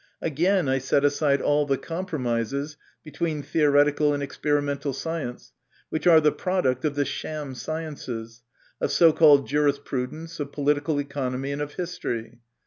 Again I set aside all the compromises between theoretical and experimental science which are the product of the sham sciences, of so called jurisprudence, of political economy, and of history.